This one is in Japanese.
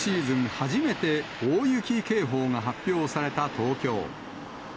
初めて、大雪警報が発表された東京。